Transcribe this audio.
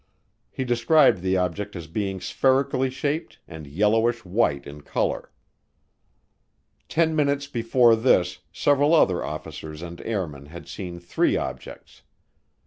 He described the object as being spherically shaped and yellowish white in color. Ten minutes before this several other officers and airmen had seen three objects.